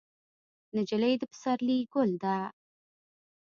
نجلۍ د پسرلي ګل ده.